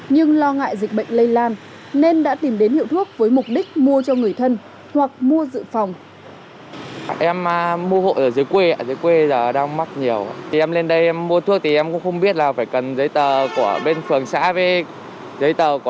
nhưng lo ngại dịch bệnh lây lan nên đã tìm đến hiệu thuốc với mục đích mua cho người thân hoặc mua dự phòng